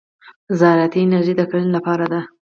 زراعتي انجنیری د کرنې لپاره ده.